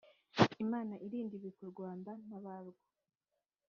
imana irinda ibi ku rwanda n ‘abarwo.